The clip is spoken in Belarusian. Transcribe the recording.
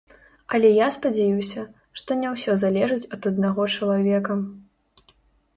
Але я спадзяюся, што не ўсё залежыць ад аднаго чалавека.